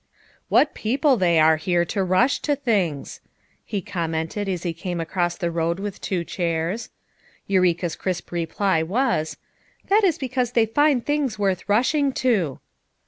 "What people they are here to rush to things!" he commented as he came across the road with two chairs. Eureka's crisp reply was: "That is because they find things worth rushing to."